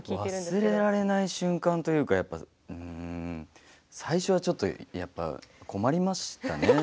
忘れられない瞬間というか最初は、やっぱ困りましたね。